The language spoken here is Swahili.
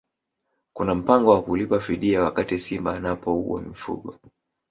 Kuna mpango wa kulipa fidia wakati simba anapouwa mifugo